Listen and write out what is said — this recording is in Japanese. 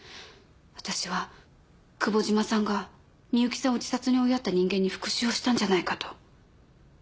私は久保島さんが深雪さんを自殺に追いやった人間に復讐をしたんじゃないかと。